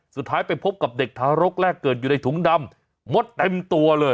สุดท้ายไปพบกับเด็กทารกแรกเกิดอยู่ในถุงดำมดเต็มตัวเลย